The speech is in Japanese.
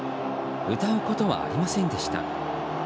歌うことはありませんでした。